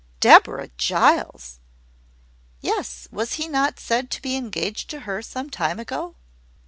"Deborah Giles!" "Yes; was he not said to be engaged to her, some time ago?"